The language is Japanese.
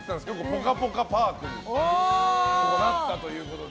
ぽかぽかパークになったということで。